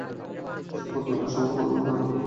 শহর ও দুর্গসমূহ লোকে লোকারণ্য হয়ে গেল।